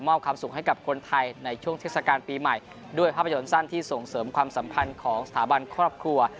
ความสุขให้กับคนไทยในช่วงเทศกาลปีใหม่ด้วยภาพยนตร์สั้นที่ส่งเสริมความสัมพันธ์ของสถาบันครอบครัว